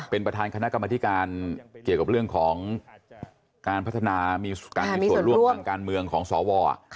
เป็นประธานคณะกรรมธิการเกี่ยวกับเรื่องของการพัฒนามีการมีส่วนร่วมทางการเมืองของสว